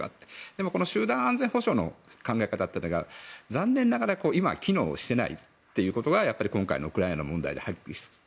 でも集団安全保障の考え方というのは残念ながら今、機能していないことが今回のウクライナの問題で分かってきている。